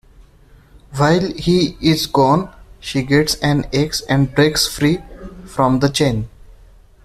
While he is gone, she gets an axe and breaks free from the chain.